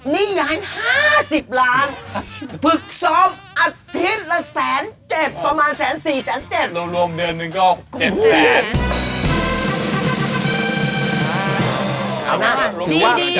นี่ย้าย๕๐ล้านภึกซ้อมอาทิตย์ละ๑๐๗๐๐ประมาณ๑๐๔๐๐ประมาณ๑๐๗๐๐แล้วรวมเดือนหนึ่งก็๗๐๐๐